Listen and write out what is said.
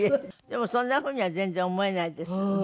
でもそんな風には全然思えないです。